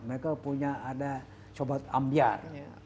mereka punya ada sobat ambyar